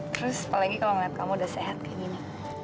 terus apalagi kalau ngeliat kamu udah sehat kayak gini